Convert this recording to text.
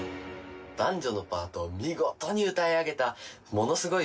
男女のパートを見事に歌い上げたものすごい。